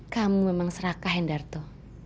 kamu memang serakah hendarto